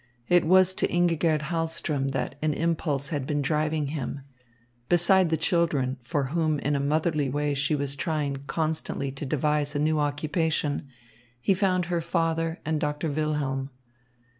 It was to Ingigerd Hahlström that an impulse had been driving him. Beside the children, for whom in a motherly way she was trying constantly to devise a new occupation, he found her father and Doctor Wilhelm.